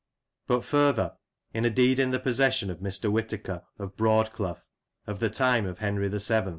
But further, in a deed in the possession of Mr. Whitaker, of Broadclough, of the time of Henry VII.